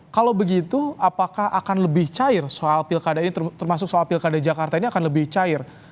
kalau begitu apakah akan lebih cair soal pilkada ini termasuk soal pilkada jakarta ini akan lebih cair